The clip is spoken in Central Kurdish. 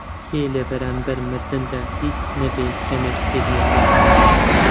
کێیە لە بەرانبەر مردندا هیچ نەبێ کەمێک تێک نەچێ؟